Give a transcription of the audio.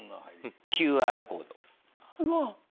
ＱＲコード。